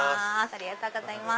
ありがとうございます。